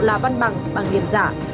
là văn bằng bằng điểm giả